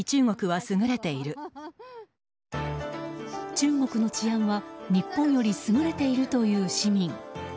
中国の治安は日本より優れているという市民。